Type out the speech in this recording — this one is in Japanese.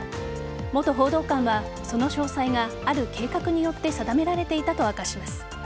元報道官は、その詳細がある計画によって定められていたと明かします。